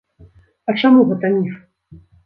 А чаму гэта міф?